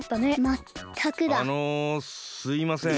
あのすいません。